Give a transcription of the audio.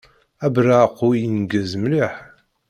Abeṛṛeεqu ineggez mliḥ.